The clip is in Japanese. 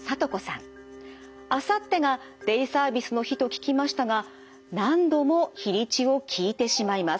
あさってがデイサービスの日と聞きましたが何度も日にちを聞いてしまいます。